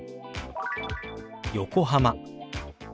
「横浜」。